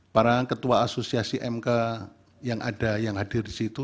para ketua asosiasi mk yang ada yang hadir di situ